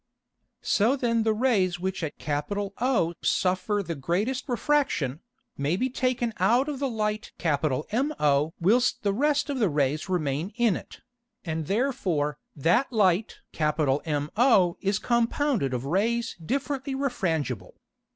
So then the Rays which at O suffer the greatest Refraction, may be taken out of the Light MO whilst the rest of the Rays remain in it, and therefore that Light MO is compounded of Rays differently refrangible.